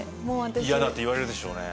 ヤダって言われるでしょうね。